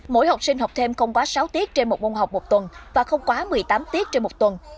mỗi học sinh học thêm không quá sáu tiết trên một môn học một tuần và không quá một mươi tám tiết trên một tuần